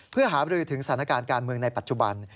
เพื่อหาบรือถึงสถานการณ์การเมืองในปัจจุบัน